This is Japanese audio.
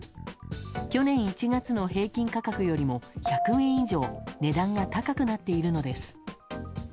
去年１月の平均価格よりも１００円以上値段が高くなっているのです。